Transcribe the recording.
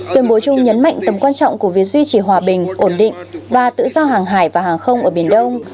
tuyên bố chung nhấn mạnh tầm quan trọng của việc duy trì hòa bình ổn định và tự do hàng hải và hàng không ở biển đông